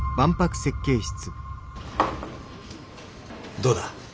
どうだ？